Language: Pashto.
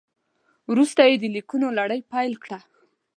وروسته یې د لیکونو لړۍ پیل کړه.